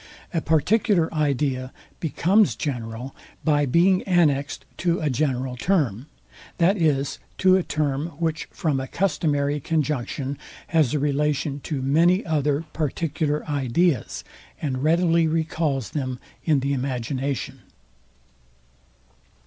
A particular idea becomes general by being annexed to a general term; that is, to a term, which from a customary conjunction has a relation to many other particular ideas, and readily recalls them in the imagination.